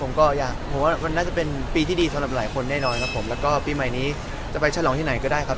ผมก็อยากผมว่าน่าจะเป็นปีที่ดีสำหรับหลายคนแน่นอนนะครับ